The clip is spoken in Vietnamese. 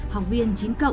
học viên chín cộng